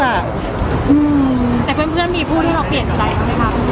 แต่เพื่อนมีผู้ด้วยนเข้าใจเปล่า